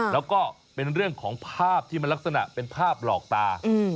แล้วก็เป็นเรื่องของภาพที่มันลักษณะเป็นภาพหลอกตา